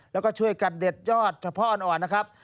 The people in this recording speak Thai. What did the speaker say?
แล้วก็ช่วยกันเด็ดยอดเฉพาะอ่อนนะครับ